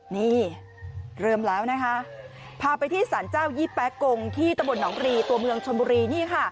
เนี่ยเริ่มแล้วนะฮะพาไปที่สานเจ้ายี่แป๊กงที่ตะบนหกรีตัวเมืองชมรี